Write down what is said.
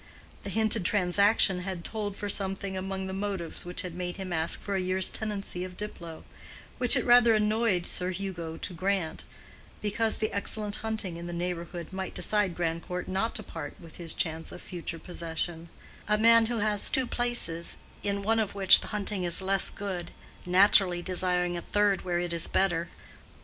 The hinted transaction had told for something among the motives which had made him ask for a year's tenancy of Diplow, which it had rather annoyed Sir Hugo to grant, because the excellent hunting in the neighborhood might decide Grandcourt not to part with his chance of future possession;—a man who has two places, in one of which the hunting is less good, naturally desiring a third where it is better.